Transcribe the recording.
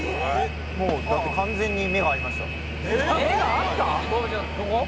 もうだって完全に目が合いました馬場ちゃんどこ？